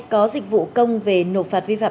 có dịch vụ công về nộp phạt vi phạm